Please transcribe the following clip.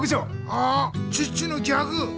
あっチッチのギャグ！